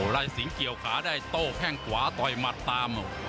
ไล่สิงห์เกี่ยวขาได้โต้แข้งขวาต่อยหมัดตาม